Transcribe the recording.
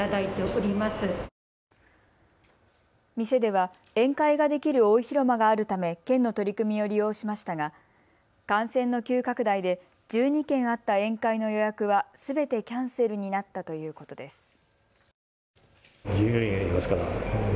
店では宴会ができる大広間があるため県の取り組みを利用しましたが感染の急拡大で１２件あった宴会の予約はすべてキャンセルになったということです。